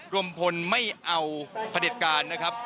รมพลไม่เอาผลิตการนะครับ